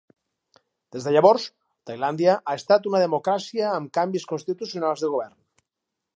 Des de llavors, Tailàndia ha estat una democràcia amb canvis constitucionals de govern.